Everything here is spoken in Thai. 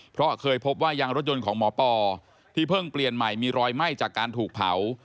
เพราะเคยพบว่ายางรถยนต์ของหมอปอที่เพิ่งเปลี่ยนใหม่มีรอยไหม้จากการถูกเผา